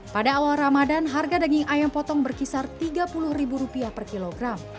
pada awal ramadan harga daging ayam potong berkisar rp tiga puluh per kilogram